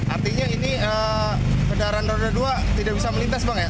artinya ini kendaraan roda dua tidak bisa melintas bang ya